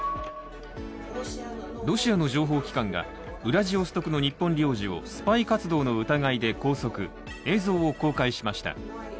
ロシアの情報機関が、ウラジオストクの日本領事をスパイ活動の疑いで拘束、映像を公開しました。